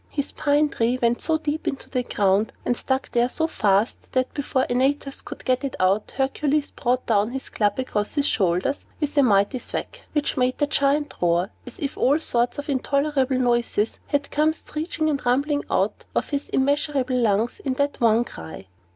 His pine tree went so deep into the ground, and stuck there so fast, that, before Antaeus could get it out, Hercules brought down his club across his shoulders with a mighty thwack, which made the Giant roar as if all sorts of intolerable noises had come screeching and rumbling out of his immeasurable lungs in that one cry.